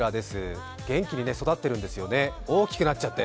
元気に育ってるんですよね、大きくなっちゃって。